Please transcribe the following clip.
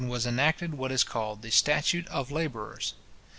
was enacted what is called the Statute of Labourers.